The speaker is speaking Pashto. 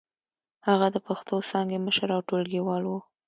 هغه د پښتو څانګې مشر او ټولګيوال و.